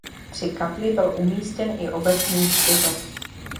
Při kapli byl umístěn i obecní hřbitov.